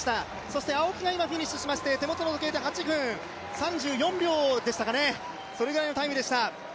そして青木が今、フィニッシュして手元の時計で８分３４秒でしたか、それぐらいのタイムでした。